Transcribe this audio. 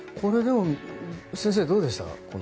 先生、どうでした？